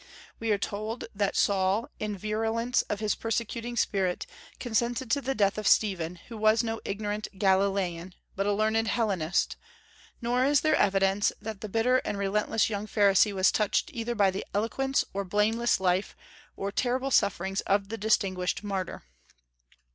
We are told that Saul, in the virulence of his persecuting spirit, consented to the death of Stephen, who was no ignorant Galilean, but a learned Hellenist; nor is there evidence that the bitter and relentless young pharisee was touched either by the eloquence or blameless life or terrible sufferings of the distinguished martyr.